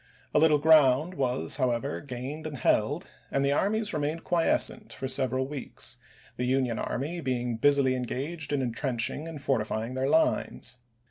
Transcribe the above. A little ground was, however, gained and held, and the armies remained quiescent for several weeks, the Union army being busily engaged in intrench ing and fortifying their lines.